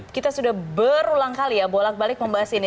kita sudah berulang kali ya bolak balik membahas ini